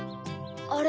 あれ？